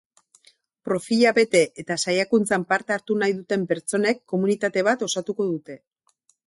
Profila bete eta saiakuntzan parte hartu nahi duten pertsonek komunitate bat osatuko dute.